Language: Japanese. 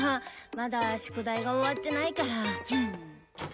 まだ宿題が終わってないから。